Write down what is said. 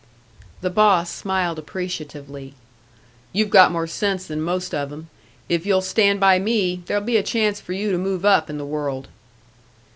The boss smiled appreciatively. "You've got more sense than most of 'em. If you'll stand by me, there'll be a chance for you to move up in the world."